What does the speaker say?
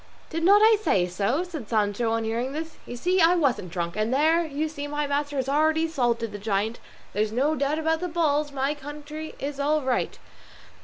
"Did not I say so?" said Sancho on hearing this. "You see I wasn't drunk; there you see my master has already salted the giant; there's no doubt about the bulls; my county is all right!"